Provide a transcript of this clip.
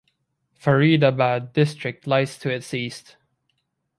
Faridabad district lies to its east.